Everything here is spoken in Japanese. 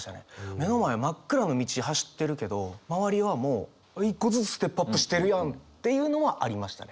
目の前真っ暗の道走ってるけど周りはもう一個ずつステップアップしてるやんっていうのはありましたね。